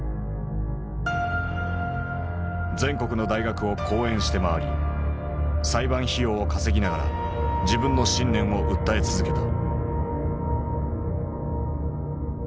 全国の大学を講演して回り裁判費用を稼ぎながら自分の信念を訴え続けた。